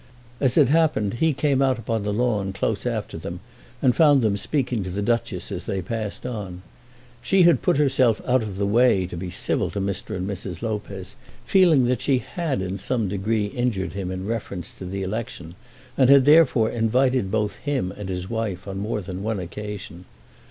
As it happened he came out upon the lawn close after them, and found them speaking to the Duchess as they passed on. She had put herself out of the way to be civil to Mr. and Mrs. Lopez, feeling that she had in some degree injured him in reference to the election, and had therefore invited both him and his wife on more than one occasion.